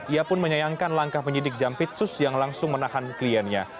ia pun menyayangkan langkah penyidik jampitsus yang langsung menahan kliennya